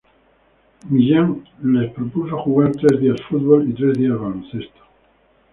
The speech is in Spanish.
Millán les propuso jugar tres días fútbol y tres días baloncesto.